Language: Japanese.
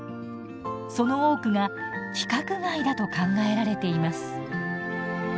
その多くが規格外だと考えられています。